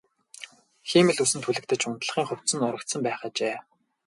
Хиймэл үс нь түлэгдэж унтлагын хувцас нь урагдсан байх ажээ.